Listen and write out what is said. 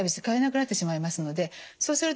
通えなくなってしまいますのでそう